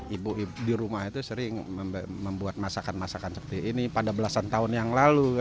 ibu ibu di rumah itu sering membuat masakan masakan seperti ini pada belasan tahun yang lalu